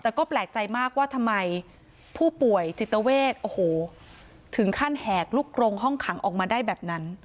แต่ก็แปลกใจมากว่าทำไมผู้ป่วยจิตเวทโอ้โหถึงขั้นแหกลูกกรงห้องขังออกมาได้แบบนั้น